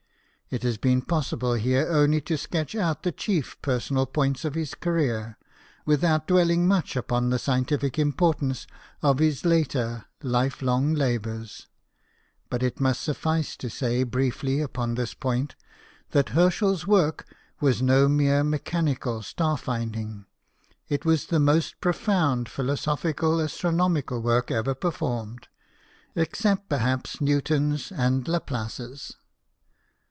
It has been possible here only to sketch out the chief personal points in his career, without dwelling much upon the scientific im portance of his later life long labours ; but it must suffice to say briefly upon this point that Herschel's work was no mere mechanical star finding ; it was the most profoundly philo sophical astronomical work ever performed, except perhaps Newton's and Laplace's.